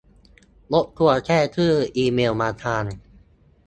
รบกวนแจ้งชื่อ-อีเมลมาทาง